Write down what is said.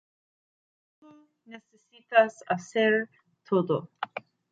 Solo necesitas hacer todo.